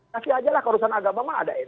kasih aja lah keurusan agama